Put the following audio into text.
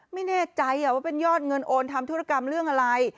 ไม่แน่ใจว่าเป็นยอดเงินโอนทำธุรกรรมเรื่องอะไร